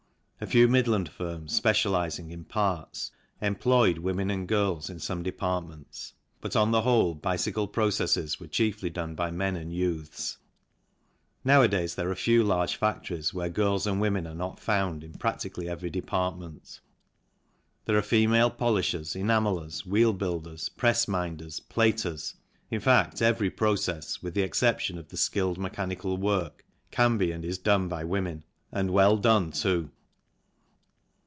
A few Midland firms, specializing in parts, employed women and girls in some departments, but on the whole bicycle processes were chiefly done by men and youths. Nowadays there are few large factories where girls and women are not found in practically every department. There are female polishers, enamellers, wheel builders, press minders, platers, in fact every process, with the exception of the skilled mechanical work, can be and is done by women, and well done, too.